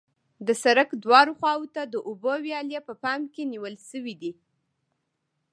د سرک دواړو خواو ته د اوبو ویالې په پام کې نیول شوې دي